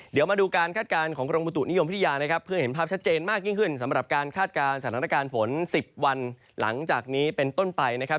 เดี๋ยวมาดูการคาดการณ์ของกรมบุตุนิยมวิทยานะครับเพื่อเห็นภาพชัดเจนมากยิ่งขึ้นสำหรับการคาดการณ์สถานการณ์ฝน๑๐วันหลังจากนี้เป็นต้นไปนะครับ